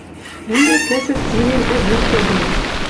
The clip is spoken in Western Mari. Ӹнде кӹзӹт сирем ӹвӹртӹде